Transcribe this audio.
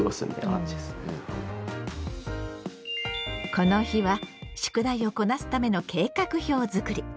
この日は宿題をこなすための計画表づくり。